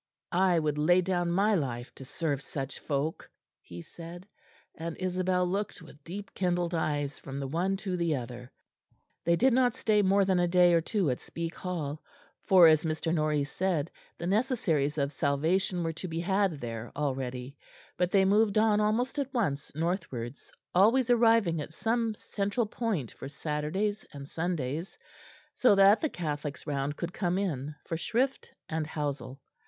"I would lay down my life to serve such folk," he said; and Isabel looked with deep kindled eyes from the one to the other. They did not stay more than a day or two at Speke Hall, for, as Mr. Norreys said, the necessaries of salvation were to be had there already; but they moved on almost at once northwards, always arriving at some central point for Saturdays and Sundays, so that the Catholics round could come in for shrift and housel.